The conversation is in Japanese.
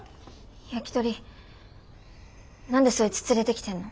ヤキトリ何でそいつ連れてきてんの？